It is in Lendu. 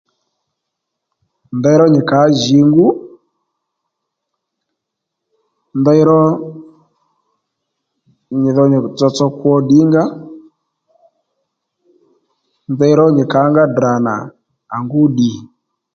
Ndeyró nyì kàó jǐ ngú ndeyró nyì dho nyì tsotso kwo ddǐngǎ ndeyró nyì kàónga Ddrà nà à ngú ddì